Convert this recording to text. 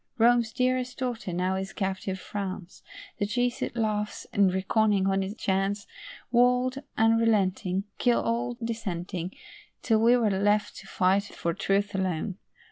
Rome's dearest daughter now is captive France, The Jesuit laughs, and reckoning on his chance, Would, unrelenting, Kill all dissenting, Till we were left to fight for truth alone.